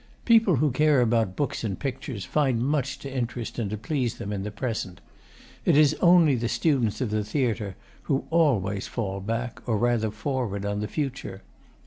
People who care about books and pictures find much to interest and please them in the present. It is only the students of the theatre who always fall back, or rather forward, on the future.